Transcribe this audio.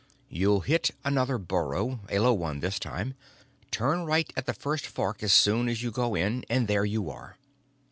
You'll hit another burrow, a low one this time. Turn right at the first fork as soon as you go in, and there you are."